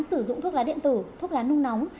sử dụng thuốc lá điện tử thuốc lá nung nóng